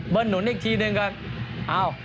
เบิ้ลหนุนอีกทีหนึ่งครับ